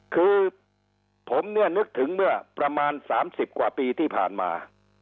คือผมเนี่ยนึกถึงเมื่อประมาณ๓๐กว่าปีที่ผ่านมา